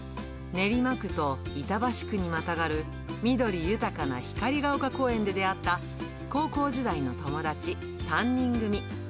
練馬区と板橋区にまたがる、緑豊かな光が丘公園で出会った高校時代の友達３人組。